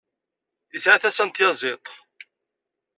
Yesɛa tasa n tyaẓiḍt.